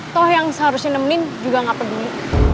toh yang seharusnya nemenin juga gak peduli